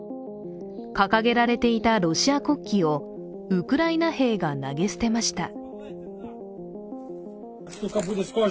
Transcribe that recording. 掲げられていたロシア国旗をウクライナ兵が投げ捨てました。